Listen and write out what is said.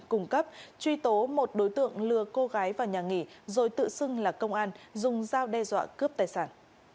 cung cấp truy tố một đối tượng lừa cô gái vào nhà nghỉ rồi tự xưng là công an dùng dao đe dọa cướp tài sản